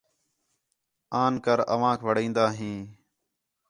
آن کر اوانک وڑین٘دا ہین